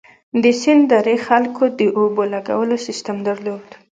د سند درې خلکو د اوبو لګولو سیستم درلود.